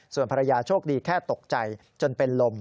ส่วนภรรยาโชคดีแค่ตกใจจนเป็นลม